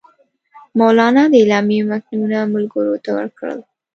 مولنا د اعلامیې متنونه ملګرو ته ورکړل.